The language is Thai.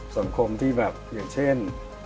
สังคมที่แบบอย่างเช่น